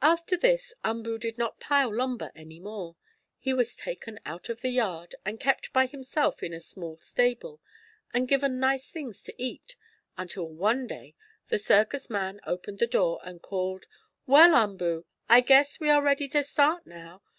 After this Umboo did not pile lumber any more. He was taken out of the yard, and kept by himself in a small stable, and given nice things to eat until one day the circus man opened the door and called: "Well, Umboo, I guess we are ready to start now.